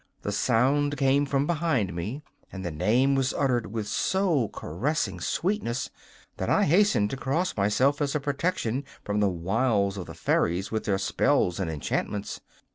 The sound came from behind me, and the name was uttered with so caressing sweetness that I hastened to cross myself as a protection from the wiles of the fairies with their spells and enchantments.